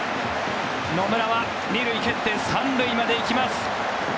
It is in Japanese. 野村は２塁を蹴って３塁まで行きました。